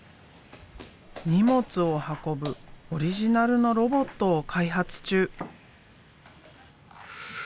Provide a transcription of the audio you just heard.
荷物を運ぶオリジナルのロボットを開発中。